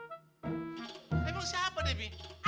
emang siapa debbie